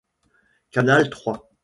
Canal trois.